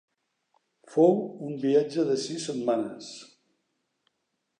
Fou un viatge de sis setmanes.